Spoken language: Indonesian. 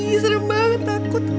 ih serem banget takut